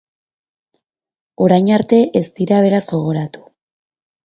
Orain arte ez dira beraz gogoratu.